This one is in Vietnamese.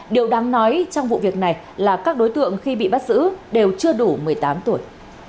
điều đáng nói trong vụ việc này là các đối tượng khi bị bắt giữ đều chưa đủ một mươi tám tuổi